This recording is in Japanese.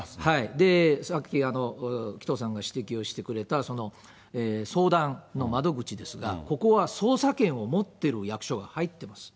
さっき、紀藤さんが指摘をしてくれた相談の窓口ですが、ここは捜査権を持っている役所が入ってます。